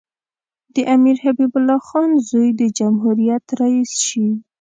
د امیر حبیب الله خان زوی د جمهوریت رییس شي.